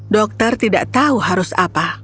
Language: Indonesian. dokter tidak tahu harus apa